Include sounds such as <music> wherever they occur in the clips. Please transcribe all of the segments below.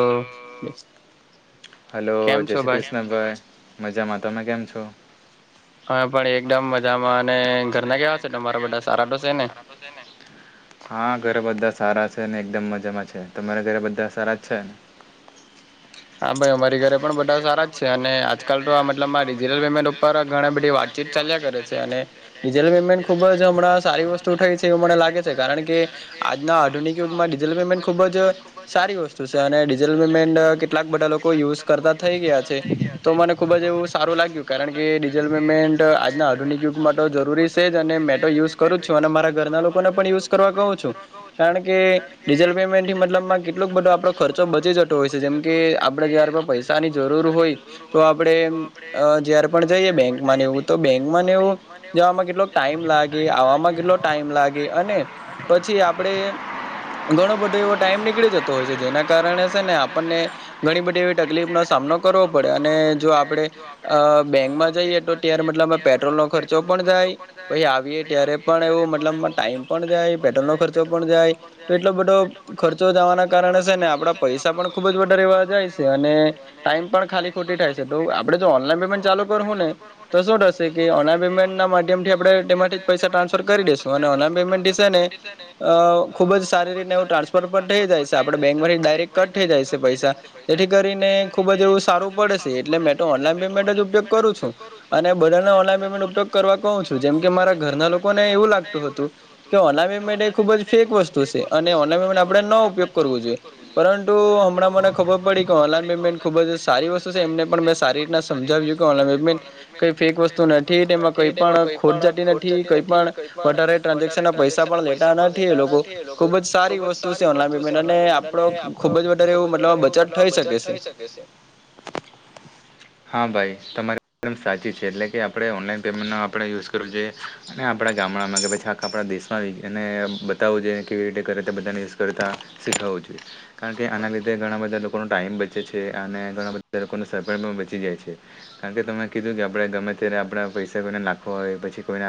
Hello, hello જય શ્રી કૃષ્ણ ભાઈ. મજામાં, તમે કેમ છો?, હા, એકદમ મજામાં અને ઘરના કેવા છે, તો બધા સારા તો છે ને. તો તને. હા ઘરે બધા સારા છે ને એકદમ મજામાં છે તમારા ઘરે બધા સારા છે ને. હા ભાઈ અમારી ઘરે પણ બધા સારા જ છે અને આજ, આ મતલબબ પેમેન્ટ ઉપર ઘણી બધી વાતચીત ચાલ્યા કરે છે અને ટલ પેમેન્ટ ખુબ જ હમણાં સારી વસ્તુ થાય છે એવું મને લાગે છે કારણ કે આજના આધુનિક યુગમાં ડિજટલ પેમેન્ટ ખુબ જ, સારી વસ્તુ છે અને ડિજલ પેમેન્ટ કેટલાક બધા લોકો યુઝ કરતા થઈ ગયા છે. તો મને ખુબ જ એવું સારું લાગ્યું કારણ કે ડિજટલ પેમેન્ટ આજના આધુનિક યુગ માટે જરૂરી છે જ અને, યુઝ કરું છું અને મારા ઘરના લોકોને પણ યુઝ કરવા કહું છું કારણ કે, ડિજટલ પેમેન્ટથી મતલબમાં કેટલો બધો આપડો ખર્ચો બચી જતો હોય છે જેમ, કે આપણે જ્યારે પણ પૈસા ની જરૂર હોય તો આપણે જ્યારે પણ જઈએ બેંક માં, તો બેંકમાં એવું જવામાં કેટલોક ટાઈમ લાગે. આવામાં કેટલો ટાઈમ લાગે અને પછી આપડે, ઘણો બધો એવો ટાઈમ નીકળી જતો હોય છે જેના કારણે છે ને આપણે, ઘણી બધી એવી તકલીફનો સામનો કરવો પડે અને જો આપણે બેંકમાં જઈએ તો, મતલબ પેટ્રોલ નો ખર્ચો પણ થાય પછી આવી, ત્યારે પણ એવું મતલબ ટાઈમ પણ જાય પેટ્રોલ નો ખર્ચો પણ જાય તો એટલો બધો, ખર્ચો વધવાના કારણે છે ને આપડા પૈસા પણ ખુબ જ, જાય છે અને ટાઈમ પણ ખાલી ખોટો થાય છે તો આપણે જો ઓનલાઈન પેમેન્ટ ચાલુ કરવું ને, તો શું થશે કે ઓનલાઇન પેમેન્ટના માધ્યમથી આપણે તેમાથી, કરી દે પમેન્ટ ખુબ જ સારી રીતે ટ્રાન્સફર, થઈ જાય છે આપણે બેંકમાંથી ડાયરેક્ટ કટ થઈ જાય છે, પૈસા જેથી કરીને ખુબ જ એવું સારું પડે છે એટલે મેં તો ઓનલાઈન પેમેન્ટ જ ઉપયોગ કરું છું. અને બધા ઓનલાઈન પેમેન્ટ ઉપયોગ કરવા કહું છું જેમ કે મારા, ઘરના લોકોને એવું લાગતું હતું કે ઓનલાઈન પેમેન્ટ એ ખુબ જ ફેક વસ્તુ છે અને ઓનલાઇન પેમેન્ટ આપણે ન ઉપયોગ, વું જોઈએ પરંતુ હમણાં, મને ખબર પડી કે ઓનલાઇન પેમેન્ટ ખુબ જ સારી વસ્તુ છે એમને પણ મેં સારી રીતના સમજાવ્યું કે, કઈ ફેક વસ્તુ નથી તે એમાં કઈ પણ ખોટ જતી નથી. કોઈ પણ વધારે ટ્રાન્ઝેક્શન ના પૈસા પણ લેતા નથી એ લોકો ખુબ જ સારી વસ્તુ, ઓનલાન પેમેન્ટ અને આપણો ખુબ જ વધારે એવ મતલબ બચત થઈ શકે છે. કે છે. હા ભાઈ તમારી એકદમ સાચી છે એટલે કે આપણે ઓનલાઈન પેમેન્ટનો આપણે યુઝ કરવું જોઈએ. અને આપણા ગામમાં કે ભ છેક આપણા દેશમાં બતાવું જોઈએ કેવી રીતે કરે તે બધાને યુઝ કરતા, શીખાઉ જોઈએ. કારણ કે આના લીધે ઘણા બધા લોકોનો ટાઈમ બચે છે અને ઘણા બધા લોકો સ બચી જાય છે. કારણ કે તમે કહ્યું કે આપણે ગમે ત્યારે આપણા પૈસા કોઈને નાખવા હોય પછી કોઈને,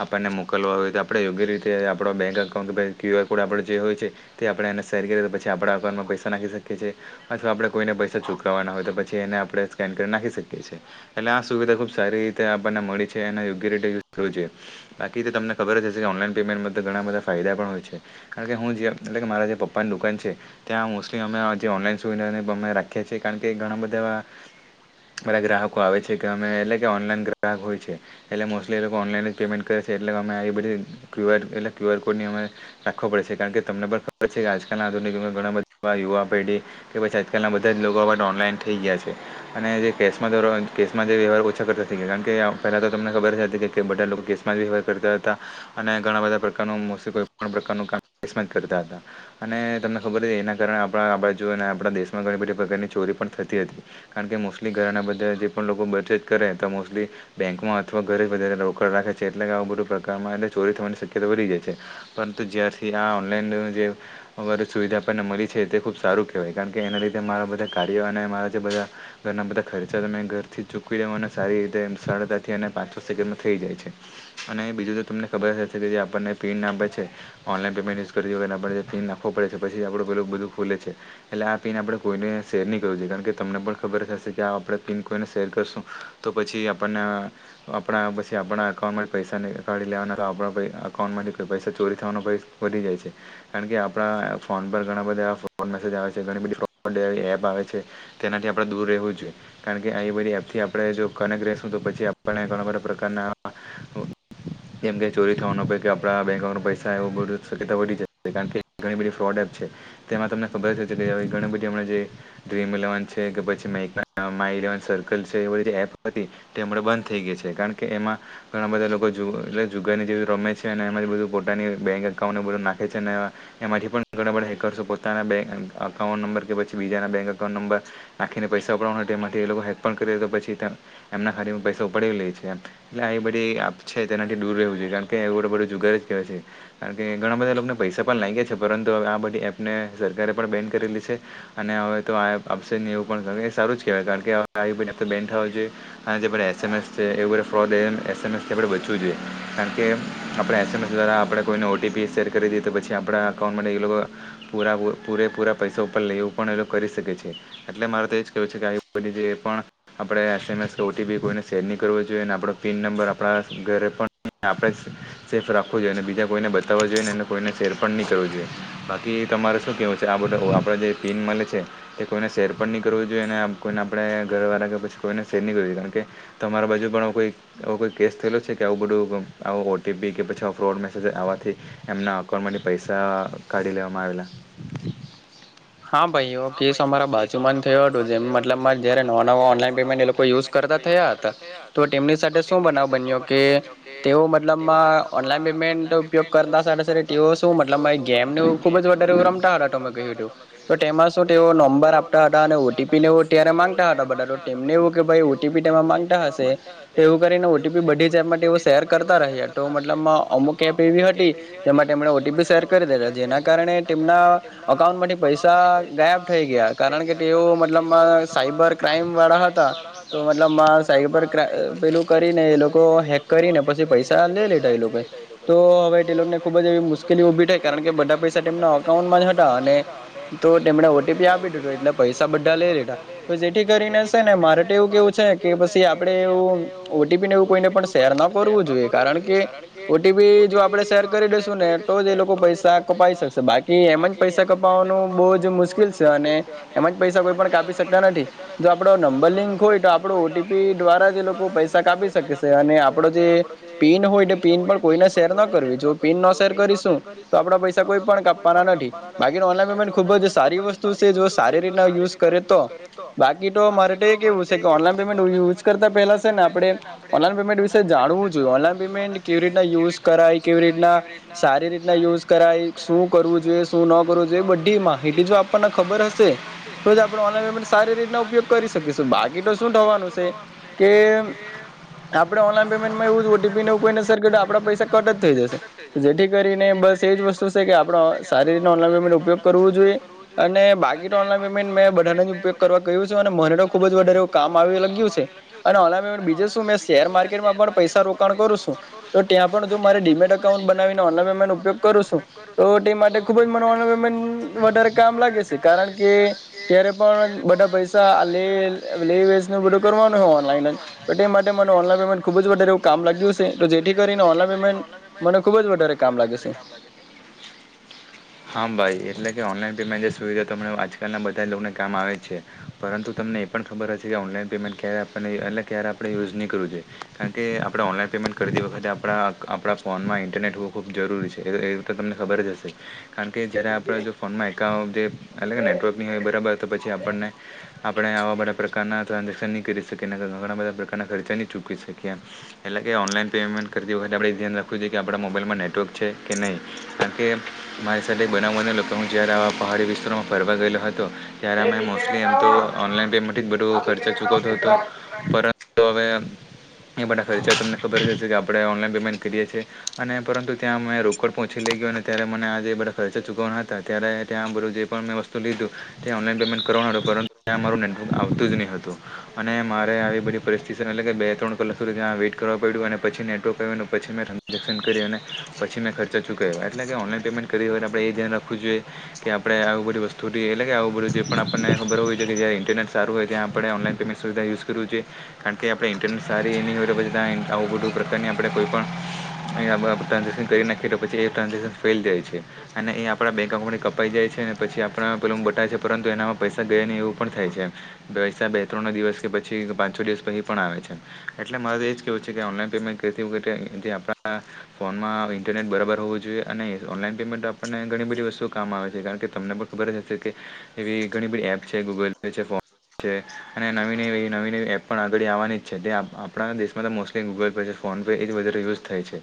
આપણને મોકલવા હોય તો આપણે યોગ્ય રીતે આપણો bank account Q R code આપણે જે હોય છે. તે આપણે એને સેરી કરીએ તો પછી આપણા અકાઉન્ટમાં પૈસા નાખી શકીએ. અથવા આપણે કોઈને પૈસા ચુકાવવાના હોય તો પછી એને આપણે સ્કેન કરી નાખી શકીએ છીએ. એટલે આ સુવિધા ખુબ સારી રીતે આપણને મળી છે એ યોગ્ય રીતે થવું, બાકી તો તમને ખબર જ હશે કે ઓનલાઈન પેમેન્ટમાં ઘણા બધા ફાયદા પણ હોય છે. કારણ કે હું જે એ કે મારા જે પપ્પાની દુકાન છે. ત્યાં મોસ્ટલી અમે જે ઓનલાન સુવિધા અમે રાખીએ છીએ કારણ કે ઘણા બધા, બધા ગ્રાહકો આવે છે કે અમે એટલે કે ઓનલાઈન ગ્રાહક હોય છે એટલે મોસ્ટલી એ લોકો ઓનલાઈન જ પેમેન્ટ કરે છે એટલે અમે આવી બધી ક્યુઆર એટલે ક્યુ આર કોડની અમે રાખવો પડે છે કારણ કે તમને પણ ખબર છે કે આજકાલના આધુનિકમાં ઘણા બધા યુવા પેઢી કે પછી આજકાલના બધા જ લોકો માટે ઓનલાઈન થઈ ગયા છે. અને જે કેસમાં કેમાં જે વ્યવહાર ઓછા કરતા થઈ ગયા છે કારણ કે પહેલા તો તમને ખબર જ હતી કે બધા લોકો ગેસમાં જ વ્યવહાર કરતા હતા અને ઘણા બધા પ્રકારનું મોસી કોઈ પણ પ્રકારનું કામ ગેસમાં જ કરતા હતા અને તમને ખબર હતી એના કારણે આપણા આપ જોઓને આપણા દેશમાં ઘણી બધી પ્રકારની ચોરી પણ થતી હતી. કારણ કે મોસ્ટલી ઘરના બધા જે પણ લોકો બચેત કરે તો મોસ્ટલી બેકમાં અથવા ઘરે વધારે રોકડ રાખે છે. છે એટલે કે આવું બધું પ્રકારમાં એ ચોરી થવાની શક્યતા વધી જાય છે પરંતુ જ્યારથી આ ઓનલાઈન જે અગર સુવિધા આપણને મળી છે તે ખુબ સારું કહેવાય કારણ કે એના લીધે મારા બધા કાર્ય અને મારા જે બધા ઘરના બધા ખર્ચા તમે ઘર થી ચૂકીવી દેવા અનેને સારી રીતે સરળતાથી અને પાંચો સેકન્ડમાં થઈ જાય છે. અને બીજું તો તમને ખબર હશે છે કે જે આપણને પીન આ બચે. ઓનલાઈન પેમેન્ટ યુઝ કરી આપને પિન નાખો પડે છે પછી જ આપડું પેલું બધું ખુલે છે. એટલે આ પીન આપણે કોઈને શેર નહી કરવું જોઈએ કારણ કે તમને પણ ખબર હશે કે આપણે પીન કોઈને શેર કરશું તો પછી આપણને આપણા પછી આપણા અકાઉન્ટમાંથી પૈસા નીકળી લેવાના આપણા પછી એકાઉન્ટમાંથી કોઈ પૈસા ચોરી થવાનો ભય વધી જાય છે. કારણ કે આપણા ફોન પર ઘણા બધા ફોડ મેસેજ આવે છે ઘણી બધી ફોડ એપ આવે છે. તેનાથી આપડે દૂર રહેવું જોઈએ. કારણ કે આવિ બધી એપ થી આપણે જો કનેક્ટ રેશું તો પછી આપને ઘણા બધા પ્રકારના હા ઓ કેમ કે ચોરી થવાનો કે આપણા બેક પૈસા એવુ બધુ શક્યતા વધી જાય કારણ કે ઘણી બધી ફ્રોડ અ છે. તેમાં તમને ખબર જ કે ઘણી બધી હમણા જે ડ્રીમ ઇલેવન છે કે પછી માય માય લેવન સર્કલ છે એ બધી એપ હતી તેમ હમણાં બંધ થઈ ગઈ છે કારણ કે એમાં ઘણા બધા લોકો જુ એટલે જુગાની જેમ રમે છે અને એમાં જ બધું પોતાની બેંક એકાઉન્ટને બધું નાખે છે ને એ એમાંથી પણ ઘણા બધા હેકર્સ પોતાના બે અકાઉન્ટ નંબર કે પછી બીજાના બેં એકાઉન્ટ નંબર નાખીને પૈસા ઉપડવાના એમાંથી એ લોકો હેલ્પ પણ કરે તો પછી એમના ખાતમા પૈસા ઉપડી લે છે એટલે આ બધી એપ છે તેનાથી દૂર રહેવું જોઈએ કારણ કે એ બધો જુગર જ કહેવાય છે કારણ કે ઘણા બધા લોકોને પૈસા પણ લાગેલી છે પરંતુ હ આ બધી એપને સરકારે પણ બેન કરેલી છે. અને હવે તો આ આપશે ને એવુ પણ સારું જ કેહેવાય કારણ કે બેન થવી જોઈએ હા જે એસ એમ એસ છે એવુ બધું ફ્રોડ એ એસએમએસથી આપણે બચવું જોઈએ કારણ કે આપણે એસએમએસ દ્વારા આપણે કોઈને ઓટી પી હશે. કરી દીએ તો પછી આપણા એકાઉન્ટ એ લોકો પૂરા પૂરેપૂરા પૈસા ઉપર લેવું પણ એ લોકો કરી શકે છે. એટલે મારે તો એજ કેવું છે કે જે પણ આવી એસએમસ કે ઓટીપી કોઈને સેર નહી કરવો જોઈને આપણો પિન નંબર આપણા ઘરે પણ આપણે સેફ રાખવો જોઈએ બીજા કોઈને બતાવ જોઈએ ને કોઈને શેર પણ નહી કરવો જોઈએ બાકી તમારે શું કેવું છે. ઘણા બધા આપડે જે પીન મળે છે. કે કોઈને શેર પણ નહી કરવું જોઈએ અને કોઈ આપણે ઘર વાળા કે પછી કોઈને શેર નહી કરવું જોઈએ કારણ કે તમારા બાજુ પણ કોઈ એવો કોઈ કેસ થયેલો છે કે આવું બધું આવ ઓ ટીપી કે પછી ફ્રોડ મેસેજ આવવાથી એમના અકાઉન્ટમાંથી પૈસા કાઢી લેવામાં આવેલા હા ભાઈ એવો કેસ અમારા બાજુ માં થયો હતો જેમ મતલબ જયારે નવા નવા ઓનલાઈન પેમેન્ટ એ લોકો યુઝ કરતા થયા હતા. તો તેમની સાથે શું બનાવ બન્યો કે તેઓ મતલબમાં ઓનલાઈન પેમેન્ટ ઉપયોગ કરતા સાથે સાથે તેઓ શું મતલબ એ ગેમનું ખૂબ જ વધારે રમતા હતા તમે કહ્યું તો તો તેમાં શું તેઓ નંબર આપતા હતા અને ઓટીપીને તેવું ત્યારે માંગતા હતા બધા તેમને એવું કે ભાઈ ઓટીપી તેમાં માંગતા હશે. હુ કરીને, ઓપી બ માટે શેર કરતા, ર તો મતલબ. જેથી તમે તે ઓ. ટી. પી શેર કરી દે, જેના કારણે તેમના અકાઉન્ટમાંથી પૈસા ગાયબ થઈ ગયા, કારણ કે તેઓ મતલબમાં સાઈબર ક્રાઈમ વાળા હતા. તો મતલબ મા સાઇબર પર પેલું કરીને એ લોકો હેક કરી ને, પછી પૈસા દે દીધા એ લોકો. તો હવે તે લોકોને ખુબ જ એવી મુશ્કેલી ઉભી થાય, કારણ કે બધા પૈસા તેમના અકાઉન્ટમાં જ હતા, અને તો તેમણે ઓ. ટી. પી આપી દીધું, એટલે પૈસા બધા લઇ લીધા, તો જેથી કરીને છે ને, મારે તો એવું કેવું છે. કે પછી આપણે. એવું ઓ. ટી. પી શેર ન કરવું જોઈએ, કારણ કે ઓ. ટી. પી જો આપણે શેર કરી દેશું ને, તો જ એ લોકો પૈસા કપાવી શકશે, બાકી એમ જ પૈસા કપાવાનું. બહુ જ મુશ્કેલ છે, અને એમાં જ પૈસા કોઈ પણ કાપી શકતા નથી, જો આપડો નંબર લિંક હોય તો. પણ ઓટીપી દ્વારા જે. લોકો પૈસા કાપી શકે છે, અને આપડો જે પીન હોય, પીન પણ કોઈને શેર ન કરવી જોઈએ. પિન ન શેર કરીશું તો, આપડા પૈસા કોઈ પણ કાપવાના નથી, બાકી ઓનલાઈન પેમેન્ટ. ખુબ જ સારી વસ્તુ છે, જો સારી રીતના યુઝ કરે તો, બાકી તો મારે કેવું ઓનલાઈન પેમેન્ટ છે. કરતા પહેલા છે ને, આપણે ઓનલાન પેમેન્ટ વિશે જાણવું જોઈએ, ઓનલાન પેમેન્ટ કેવી રીતુ યુઝ કેવી રીતના સારી રીતના યુઝ કરાય, શું કરવું જોઈએ, શું ન કરવું જોઈએ. એમાં આપણને ખબર હશે તો, આપણે ઓનલાઇન પેમેન્ટ સારી રીતના ઉપયોગ કરી શકીશું. બાકી તો શું થવાનું છે કે. આપણે ઓનલાઈન પેમેન્ટમાં એવું જ ઓટીપી ને કોઈને શેર કરે, આપણા પૈસા કટ જ થઈ જશે. જેથી કરીને બસ એ જ વસ્તુ છે કે, આપણો સારી રીતે ઓનલાઈન પેમેન્ટ ઉપયોગ. કરવું જોઈએ, અને બાકી ઓનલાન પેમેન્ટ મેં બધાને જ ઉપયોગ કરવા કહ્યું છે, અને મને તો ખુબ જ વધારે કામ આવી લાગ્યું છે, અને બીજે મે શેર માર્કેટમાં પણ પૈસા રોકાણ કરું છું. તો ત્યાં પણ જો મારે ડીમેટ અકાઉન્ટ બનાવીને, ઓનલાઇન પેમેન્ટ ઉપયોગ કરું છું, તો તે માટે ખુબ જ મને ઓમેન્ટ. વધારે કામ લાગે છે, કારણ કે ત્યારે પણ બધા પૈસા લે લે વે બધું કરવું. પણ ઓનલાઇન જ, ઓનલાઇન ખુબ જારે કામ લાગ્યું છે, તો જેથી કરીને ઓનલાઇન પેમેન્ટ. મને ખુબ જ વધારે કામ લાગે છે. હા, ભાઈ, એટલે કે ઓનલાઈન પેમેન્ટ જે સુવિધા આજકાલના બધા લોકોને કામ આવે છે. પરંતુ તમને એ પણ ખબર હશે કે, ઓનલાઈન પેમેન્ટ ક્યારે આપણને, એટલે ક્યારે આપણે યુઝ નહીં કરવું જોઈએ, કારણ કે આપણે ઓનલાઈન પેમેન્ટ કરતી વખતે આપણા આપણા. ફોનમાં ઇન્ટરનેટ હોવું ખૂબ જરૂરી છે, એ તો તમને ખબર જ હશે, કારણ કે જ્યારે આપણે જો ફોનમાં એકા જે અલગ નેટવર્કની હોય બરાબર, તો પછી આપણને આપણે આવા બધા પ્રકારના ટ્રાઝેક્શન ન કરી શકીએ, ઘણા બધા પ્રકારના ખર્ચા ન ચૂકી શકીએ. એટલે કે ઓનલાઈન પેમેન્ટ કરતી વખતે આપડે ધ્યાન રાખવું જોઈએ કે, આપણા મોબાઈલમાં નેટવર્ક છે કે નહી, કારણ કે મારી સાથે બનાવ બનેલો, જયારે આવા પહાડી વિસ્તારોમાં ફરવા ગયેલો હતો. ત્યારે અમે મોસ્ટલી એમ તો ઓનલાઈન પેમેન્ટથી બધુ ખર્ચા ચૂકવી. પરંતુ હવે, એ બધા ખર્ચા તમને ખબર કે, આપણે ઓનલાઈન પેમેન્ટ કરીએ છીએ. અને પરંતુ ત્યાં મેં રોકડ પહોંચી લઈ ગયો, અને ત્યારે મને આજે બધા ખર્ચા ચૂકવાના હતા, ત્યારે ત્યાં બધું જે પણ તો લીધું, તે ઓનલાઈન પેમેન્ટ કરવાનો હતું, પરંતુ ત્યાં મારુ નેટવર્ક આવતું જ નહીં હતું. અને મારે આવી બધી પરિસ્થિતિને, એટલે કે બે-ત્રણ કલાક સુધી ત્યાં વેટ કરવા પડ્યું, અને પછી નેટવર્ક આવ્યું, પછી મે ટ્રાન્ઝેક્શન કરી, અને પછી મેં ખર્ચા ચૂકવ્યો, એટલે કે ઓનલાઈન પેમેન્ટ કરી, આપણે એ ધ્યાન રાખવું જોઈએ. કે આપડે આવું બધી વસ્તુ એટલે કે આવું બધું જે પણ આપણને ખબર હોય છે કે, જ ઇન્ટરનેટ સ્લો હોય, ત્યાં આપણે ઓનલાઈન તે મેં સુવિધા યુઝ કરું છું. કારણ કે આપણે ઇન્ટરનેટ સારી આવું બધું પ્રકારની આપણે કોઈ પણ ટ્રાન્ઝેક્શ કરી નાખી, પછી એ ટ્રાન્ઝેક્ન ફેલ જાય છે. અને એ આપણા બેંક અકાઉન્ટથી કપાઈ જાય છે, અને પછી આપણા પેલા હું બટાય છે, પરંતુ એનામાં પૈસા ગયા ને, એવું પણ થાય છે. પૈસા બે-ત્રણ નો દિવસ કે, પછી પાંચો દિવસ પછી પણ આવે છે. એટલે મારે તો એજ કેવું છે કે, ઓનલાઈન પેમેન્ટ કરતી વખતે જે આપણા ફોન માં ઇન્ટરનેટ બરાબર હોવું જોઈએ, અને ઓનલાઈન પેમેન્ટ આપણને ઘણી બધી વસ્તુ કામ આવે છે, કારણ કે તમને પણ ખબર હશે કે એવી ઘણી બધી એપ છે ગૂગલ પે છે, ફોમ છે, અને નવી નવી નવી નવી એપ પણ અગાડી આવવાની જ છે તે આપણા દેશમાં તો મોસ્ટલી ગૂગલ પે છે ફોન પે એ જ વધારે યુઝ થાય છે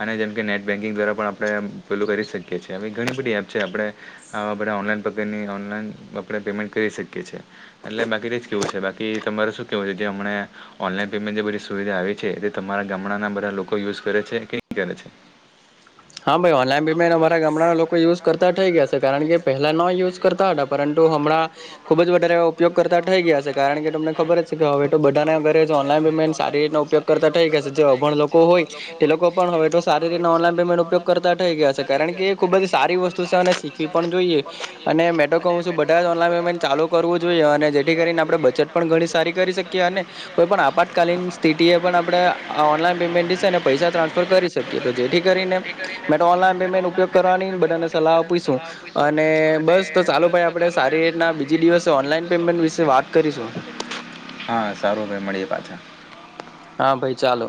અને જેમકે નેટ બેન્કિંગ દ્વારા પણ આપણે પલું કરી શકીએ છે એવી ઘણી બધી એપ છે, આપણે આપણે ઓનલાઈન પગની ઓનલાઈન આપણે પેમેન્ટ કરી શકીએ છીએ એટલે બાકી કેવું છે બાકી તમારે શું કહેવું છે જે હમણાં ઓનલાઈન પેમેન્ટ જે બધી સુવિધા આવી છે તે તમારા ગામડાના બધા લોકો યુઝ કરે છે કે નહી કરે છે? <inaudible> હા ભાઈ ઓનલાઈન પેમે અમારા ગામડા લોકો યુઝ કરતા થઈ ગયા છે કાર કે પહેલા નો યુઝ કરતા હતા પરંતુ હમણા ખૂબ જ વધારે ઉપયોગ કરતા ગયા છે કારણ કે તમને ખબર જ છે કે હવે તો બધાના ઘરે ઓનલાઈન પેમેન્ટ સારી રીતના ઉપયોગ કરતા થઈ ગયા છે જે અભણ લો કો હોય તે લોકો પણ હવે સારી રી ઓનલાન ઉપયોગ ગયા છે કારણ કે ખુબ સારી વસ્તુ છે શીખવી પણ જોઈએ અને મે ટો કહું છું બધા ઓનલાઈન પેમેન્ટ ચાલુ કરવું જોઈએ અને જેથી કરીને આપણે બચટ પણ ઘણી સારી કરી શકીએ અને કોઈ પણ આપાતકાલીન સ્થિતિ એ પણ આપણે ઓનલાઈન પેમેન્ટશે શેને પૈસા ટ્રાન્સફર કરી શકી કે તો જેથી કરીને મે તો ઓનલાઈન પેમેન્ટ ઉપયોગ કરવાનીને બધાને સલાહ આપીશું અને બસ તો ચાલો ભાઈ આપ ડે સારી રીતના બીજી દિવસે ઓનલાઈન પેમેન્ટ વિશે વાત કરીશું. હા સારું ભાઈ મળીએ પાછા. હા ભાઈ ચાલો.